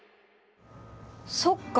そっか。